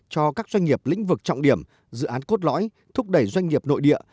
cho các doanh nghiệp lĩnh vực trọng điểm dự án cốt lõi thúc đẩy doanh nghiệp nội địa